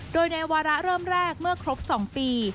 โดยในวาระเริ่มแรกเมื่อครบ๒ปี